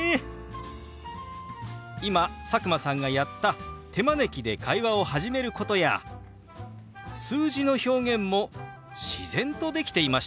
今佐久間さんがやった手招きで会話を始めることや数字の表現も自然とできていましたよ。